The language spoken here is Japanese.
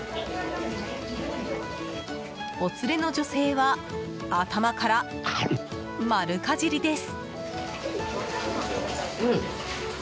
お連れの女性は頭から丸かじりです。